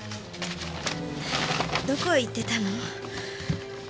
どこへ行ってたの？